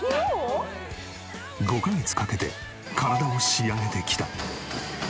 ５カ月かけて体を仕上げてきた。